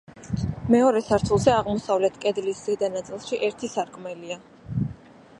მეორე სართულზე, აღმოსავლეთ კედლის ზედა ნაწილში ერთი სარკმელია.